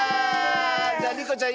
じゃりこちゃん